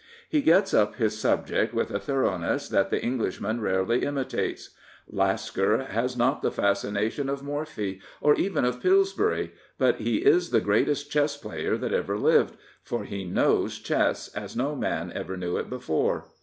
He gets up his subject with a thoroughness that the Englishman rarely imitates. Lasker has not the fascination of Morphy, or even of Pillsbury; but he is the greatest chess player that ever lived, for he " knows " chess as no man ever knew it before.